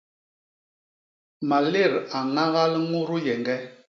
Malét a ñagal ñudu yeñge.